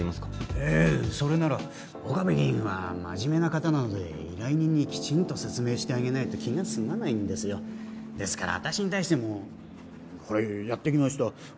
ええそれなら岡部議員はマジメな方なので依頼人にきちんと説明してあげないと気がすまないんですよですから私に対しても「これやってきました」